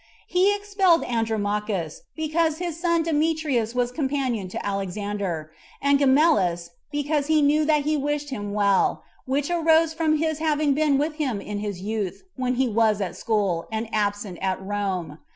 He expelled Andromachus, because his son Demetrius was a companion to Alexander; and Gamellus, because he knew that he wished him well, which arose from his having been with him in his youth, when he was at school, and absent at Rome.